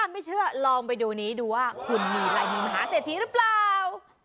ไม่เชื่อลองไปดูนี้ดูว่าคุณมีลายมือมหาเศรษฐีหรือเปล่า